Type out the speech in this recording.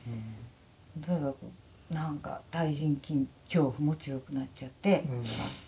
なんか対人恐怖も強くなっちゃって。